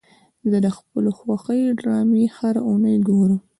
زه د خپلو خوښې ډرامې هره اونۍ ګورم.